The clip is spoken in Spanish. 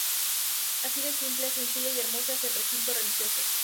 Así de simple, sencilla y hermosa es el recinto religioso.